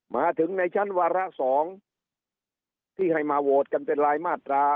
มาถึงในชั้นวาระ๒ที่ให้มาโหวตกันเป็นรายมาตรา